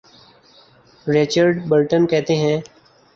Richard Burton کہتے ہیں۔